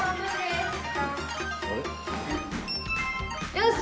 よし！